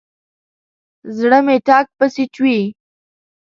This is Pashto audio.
زړه مې ټک پسې چوي.